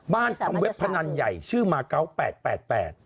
บ้านทำเว็บพนันใหญ่ชื่อมาเกาะ๘๘๘